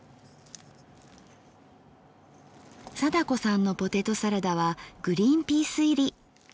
貞子さんのポテトサラダはグリンピース入り。